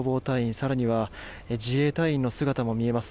更には自衛隊員の姿も見えます。